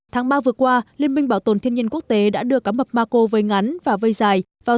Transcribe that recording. tháng ba vừa qua liên minh bảo tồn thiên nhiên quốc tế đã đưa cá mập mako vây ngắn và vây dài vào